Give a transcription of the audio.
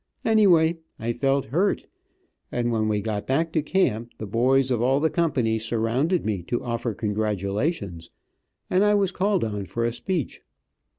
Anyway, I felt hurt, and when we got back to camp the boys of all the companies surrounded me to offer congratulations, and I was called on for a speech.